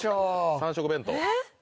３色弁当。